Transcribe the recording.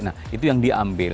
nah itu yang diambil